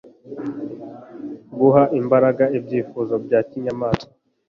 guha imbaraga ibyifuzo bya kinyamaswa